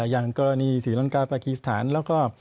อย่างกรณีศรีร้อนกาลประกิษฐานแล้วก็